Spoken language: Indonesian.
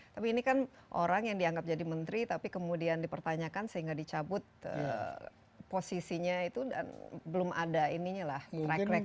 tapi ini kan orang yang dianggap jadi menteri tapi kemudian dipertanyakan sehingga dicabut posisinya itu dan belum ada ininya lah track recor